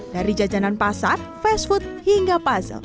dari jajanan pasar fast food hingga puzzle